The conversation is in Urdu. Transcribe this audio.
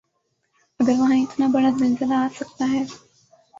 اگر وہاں اتنا بڑا زلزلہ آ سکتا ہے۔